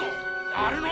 やるの！